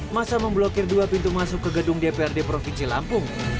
masa memblokir dua pintu masuk ke gedung dprd provinsi lampung